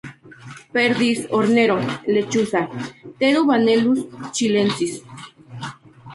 Perdiz, hornero, lechuza, tero "Vanellus chilensis".